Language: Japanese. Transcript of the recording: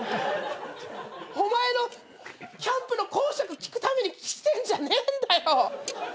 お前のキャンプの講釈聞くために来てんじゃねえんだよ！